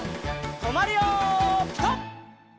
とまるよピタ！